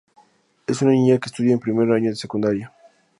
Es una niña que estudia en primer año de secundaria.